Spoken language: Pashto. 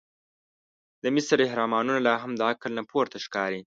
د مصر احرامونه لا هم د عقل نه پورته ښکاري.